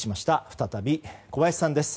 再び小林さんです。